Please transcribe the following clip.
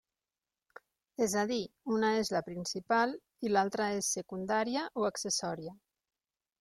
És a dir, una és la principal i l'altra és secundària o accessòria.